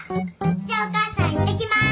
じゃお母さんいってきます。